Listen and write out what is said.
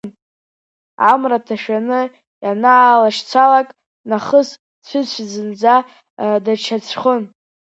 Амра ҭашәаны ианаалашьцалак нахыс, Цәыцә зынӡа даҽаӡәхон.